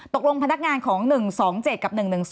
ตกลงพนักงานของ๑๒๗กับ๑๑๐